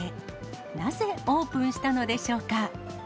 なぜオープンしたのでしょうか。